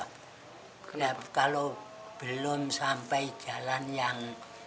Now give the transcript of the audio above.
kalau belum sampai jalan yang